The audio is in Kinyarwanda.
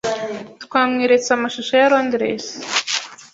Twamweretse amashusho ya Londres.